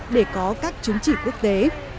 để có các chứng chỉ quốc tế